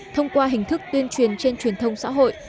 thông qua hình thức tuyên truyền trên truyền thông xã hội